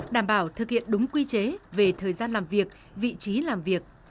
đảm bảo thực hiện đúng quy chế về thời gian làm việc vị trí làm việc